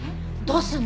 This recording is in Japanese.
どうする？